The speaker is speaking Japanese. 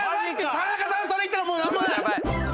田中さんそれいったらもうなんもない！